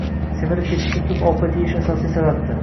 Semirib ketishga ko‘p ovqat yeyish asosiy sababdir.